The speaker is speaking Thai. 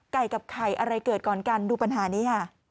กับไข่อะไรเกิดก่อนกันดูปัญหานี้ค่ะ